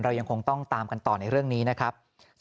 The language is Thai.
ยังคงต้องตามกันต่อในเรื่องนี้นะครับ